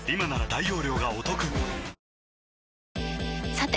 さて！